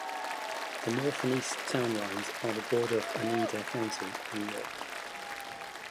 The north and east town lines are the border of Oneida County, New York.